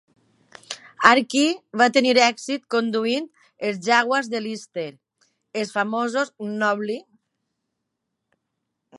Archie va tenir èxit conduint els jaguars de Lister, els famosos "Knobbly".